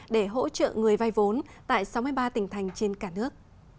để hỗ trợ người vai vốn tại sáu mươi ba tỉnh thành trên cả nước